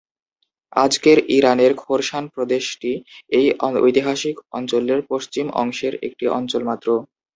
আজকের ইরানের খোরাসান প্রদেশটি এই ঐতিহাসিক অঞ্চলের পশ্চিম অংশের একটি অঞ্চল মাত্র।